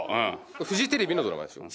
フジテレビのドラマでしょ？